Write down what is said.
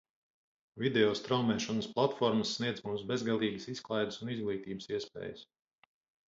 Video straumēšanas platformas sniedz mums bezgalīgas izklaides un izglītības iespējas.